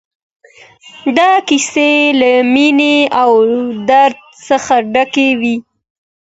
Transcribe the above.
دا کيسې له مينې او درد څخه ډکې وې.